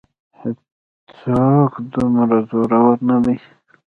هېڅ څوک دومره زورور نه دی.